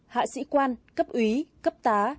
hạ sĩ quan cấp úy cấp tá